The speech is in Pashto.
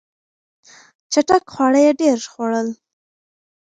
چټک خواړه یې ډېر خوړل.